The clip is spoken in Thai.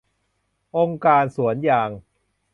องค์การสวนยาง